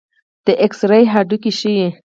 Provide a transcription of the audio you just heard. د ایکس رې هډوکي ښيي.